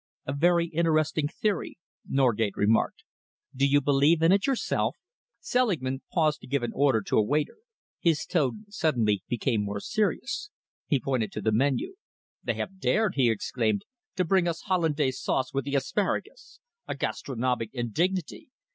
"A very interesting theory," Norgate remarked. "Do you believe in it yourself?" Selingman paused to give an order to a waiter. His tone suddenly became more serious. He pointed to the menu. "They have dared," he exclaimed, "to bring us Hollandaise sauce with the asparagus! A gastronomic indignity!